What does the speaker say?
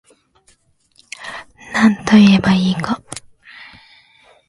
なんといえば良いか